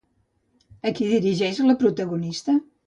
A qui dirigeix la protagonista?